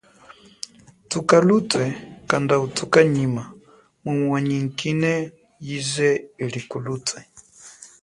Tuka lutwe, kanda utuka nyima, mumu wanyingine yize ili kulutwe.